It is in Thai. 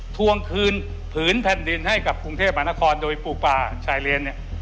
ทวงคืนผืนแผ่นดินให้กับกรุงเทพมหานครโดยปลูกป่าชายเลนเนี่ย